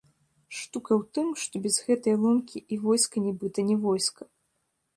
Штука ў тым, што без гэтай ломкі і войска нібыта не войска.